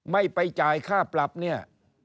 ไม่ไปจ่ายค่าปรับเนี่ย